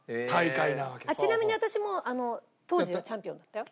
ちなみに私も当時はチャンピオンだったよ。